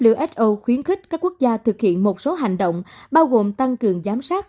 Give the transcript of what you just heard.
uso khuyến khích các quốc gia thực hiện một số hành động bao gồm tăng cường giám sát